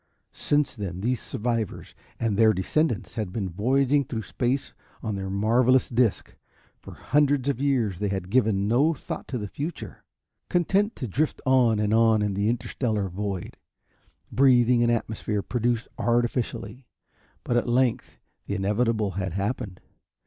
Since then these survivors and their descendants had been voyaging through space on their marvelous disc. For hundreds of years they had given no thought to the future, content to drift on and on in the interstellar void, breathing an atmosphere produced artificially. But at length the inevitable had happened.